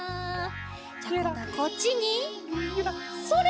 じゃあこんどはこっちにそれ！